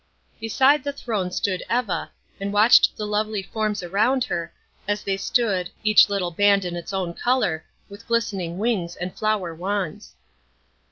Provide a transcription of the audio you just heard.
Beside the throne stood Eva, and watched the lovely forms around her, as they stood, each little band in its own color, with glistening wings, and flower wands.